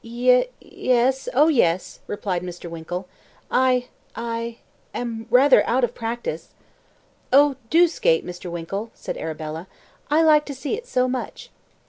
"Ye yes; oh, yes," replied Mr. Winkle. "I I am rather out of practice." "Oh, do skate, Mr. Winkle," said Arabella. "I like to see it so much."